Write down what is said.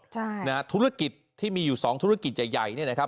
ใช่นะฮะธุรกิจที่มีอยู่สองธุรกิจใหญ่ใหญ่เนี่ยนะครับ